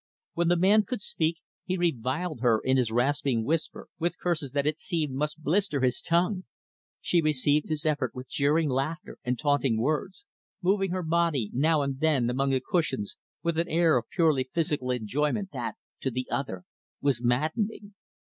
When the man could speak, he reviled her, in his rasping whisper, with curses that it seemed must blister his tongue. She received his effort with jeering laughter and taunting words; moving her body, now and then, among the cushions, with an air of purely physical enjoyment that, to the other, was maddening.